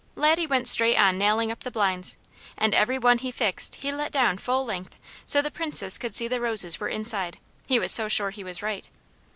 Laddie went straight on nailing up the blinds, and every one he fixed he let down full length so the Princess could see the roses were inside; he was so sure he was right.